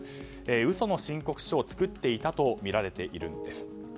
嘘の申告書を作っていたとみられているんです。